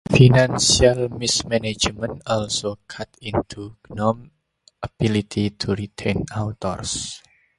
Financial mismanagement also cut into Gnome's ability to retain authors.